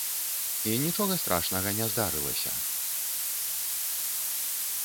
І нічога страшнага не здарылася.